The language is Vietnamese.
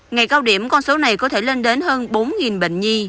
ngày cao điểm con số này có thể lên đến hơn bốn bệnh nhi